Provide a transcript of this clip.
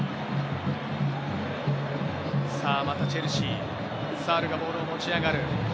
またチェルシー、サールがボールを持ち上がる。